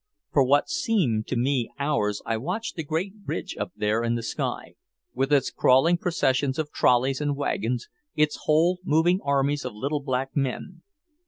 For what seemed to me hours I watched the Great Bridge up there in the sky, with its crawling processions of trolleys and wagons, its whole moving armies of little black men.